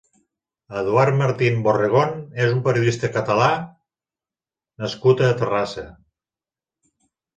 Eduard Martín-Borregón és un periodista catalán nascut a Terrassa.